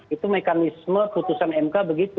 itu mekanisme putusan mk begitu